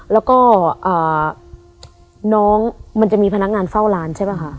แล้วก็น้องมันจะมีพนักงานเฝ้าร้านใช่ป่ะคะ